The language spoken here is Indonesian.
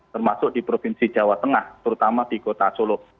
termasuk di provinsi jawa tengah terutama di kota solo